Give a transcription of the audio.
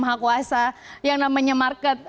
maha kuasa yang namanya market